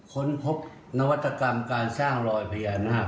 ค้นพบนวัตกรรมการสร้างรอยพญานาค